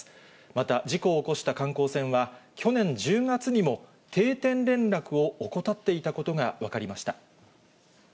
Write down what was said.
また、事故を起こした観光船は、去年１０月にも定点連絡を怠っていたことが分かりました。